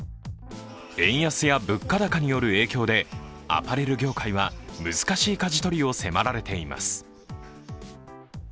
円安や物価高による影響でアパレル業界は難しいかじ取りを迫られています。